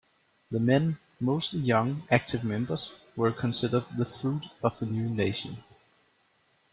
The men, mostly young, active members, were considered the "fruit" of the new nation.